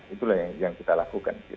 itulah yang kita lakukan